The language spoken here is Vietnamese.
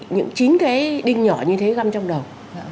những chính cái đinh nhỏ như thế găm trong đầu